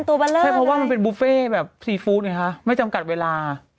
เลิกใช่เพราะว่ามันเป็นบุฟเฟ่แบบซีฟู้ดไงคะไม่จำกัดเวลา